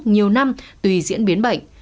nhiều năm tùy diễn biến bệnh